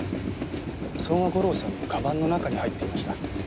相馬悟郎さんのカバンの中に入っていました。